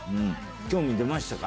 興味出ましたか？